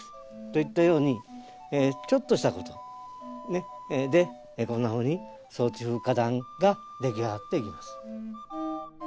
といったようにちょっとしたことでこんなふうに草地風花壇ができ上がっていきます。